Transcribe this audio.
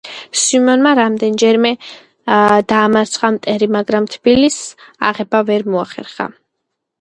სვიმონმა რამდენიმეჯერმე დაამარცხა მტერი, მაგრამ Თბილისის აᲦება ვერ მოახერხა.